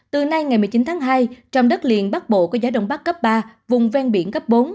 từ nay ngày một mươi chín tháng hai trong đất liền bắc bộ có gió đông bắc cấp ba vùng ven biển cấp bốn